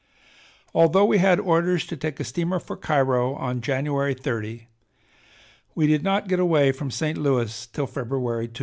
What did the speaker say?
Although we had orders to take a steamer for Cairo on January 30, we did not get away from St. Louis till February 2.